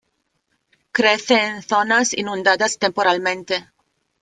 Crece en zonas inundadas temporalmente.